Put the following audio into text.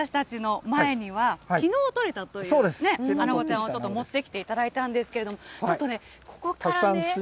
このね、私たちの前には、きのう取れたというあなごちゃんをちょっと持ってきていただいたんですけど、ちょっとね、ここから。